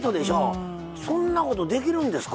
そんなことできるんですか？